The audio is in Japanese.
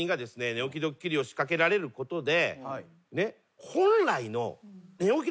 寝起きドッキリを仕掛けられることで。